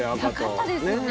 なかったですよね。